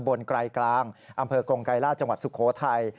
ไกรกลางอำเภอกงไกรล่าจังหวัดสุโขทัย